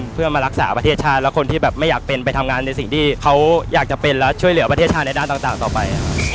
เพราะว่าแบบถ้าเกิดไม่สมัครใจแล้วเราไป